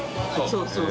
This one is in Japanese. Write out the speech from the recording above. そうそう。